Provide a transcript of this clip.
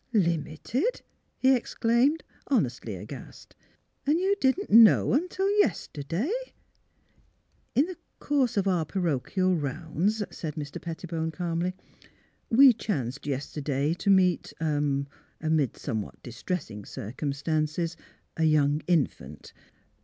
" Limited! " he exclaimed, honestly aghast. '' And you didn't know until yesterday? "" In the course of our parochial rounds," said Mr. Pettibone, calmly, '* we chanced yesterday THE PARISH HEARS THE NEWS 311 to meet — er — amid somewhat distressing circum stances — a young infant.